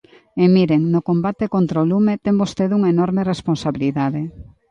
E miren, no combate contra o lume, ten vostede unha enorme responsabilidade.